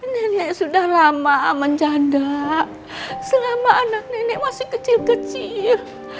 nenek sudah lama menjadak selama anak nenek masih kecil kecil